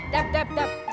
dap dap dap